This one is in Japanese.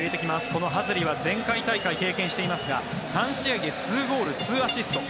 このハズリは前回大会を経験していますが３試合で２ゴール２アシスト。